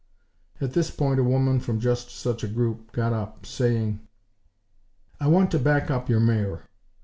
At this point, a woman from just such a group got up, saying: "I want to back up your mayor.